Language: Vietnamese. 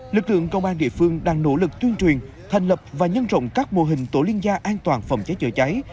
lực lượng công an địa phương đang nỗ lực tuyên truyền thành lập và nhân rộng các mô hình tổ liên gia an toàn phòng cháy chữa cháy